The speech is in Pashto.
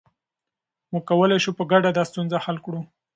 موږ کولای شو په ګډه دا ستونزه حل کړو.